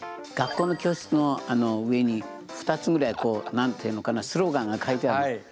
学校の教室の上に２つぐらいこうなんていうのかなスローガンが書いてある。